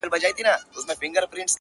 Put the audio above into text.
• پردې مځکه دي خزان خېمې وهلي -